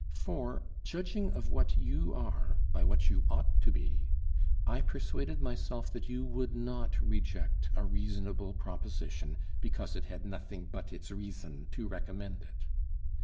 For, judging of what you are by what you ought to be, I persuaded myself that you would not reject a reasonable proposition because it had nothing but its reason to recommend it.